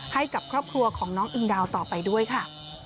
ให้กับครอบครัวของน้องอิงดาวต่อไปด้วยค่ะ